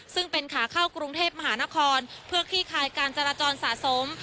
ซึ่งเป็นขาเข้ากรุงเทพมหานครเพื่อคลี่คลายการจราจรสะสม